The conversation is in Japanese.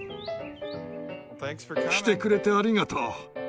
来てくれてありがとう。